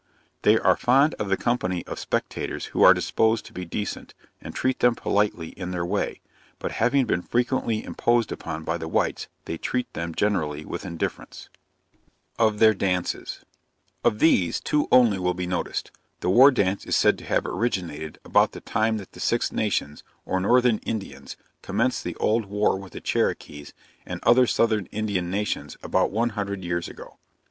They are fond of the company of spectators who are disposed to be decent, and treat them politely in their way; but having been frequently imposed upon by the whites, they treat them generally with indifference. OF THEIR DANCES. Of these, two only will be noticed. The war dance is said to have originated about the time that the Six Nations, or Northern Indians, commenced the old war with the Cherokees and other Southern Indian Nations, about one hundred years ago.